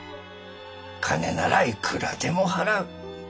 金ならいくらでも払う。